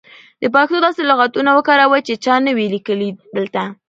د پښتو داسې لغاتونه وکاروئ سی چا نه وې لیکلي دلته.